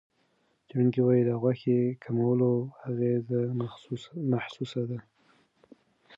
څېړونکي وايي، د غوښې کمولو اغېز محسوس دی.